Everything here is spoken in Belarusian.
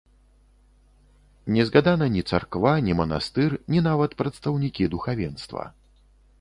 Не згадана ні царква, ні манастыр, ні нават прадстаўнікі духавенства.